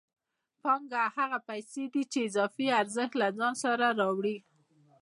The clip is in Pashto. پانګه هغه پیسې دي چې اضافي ارزښت له ځان سره راوړي